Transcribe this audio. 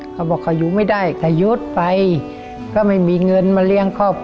เขาบอกเค้าอยู่ไม่ได้